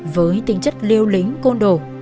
với tính chất liêu lính côn đồ